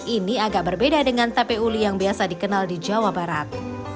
ini agak berbeda dengan tape uli yang biasa dikenal di jawa barat